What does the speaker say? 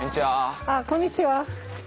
あっこんにちは。